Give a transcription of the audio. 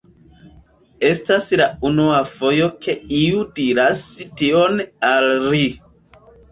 Estas la unua fojo ke iu diras tion al ri.